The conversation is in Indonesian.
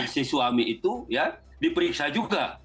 si suami itu ya diperiksa juga